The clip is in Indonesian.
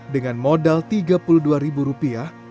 dengan modal tiga puluh dua ribu rupiah